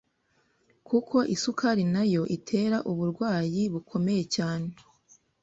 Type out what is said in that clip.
kuko isukari na yo itera uburwayi bukomeye cyane